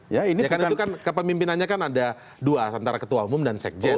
ya kan itu kan kepemimpinannya kan ada dua antara ketua umum dan sekjen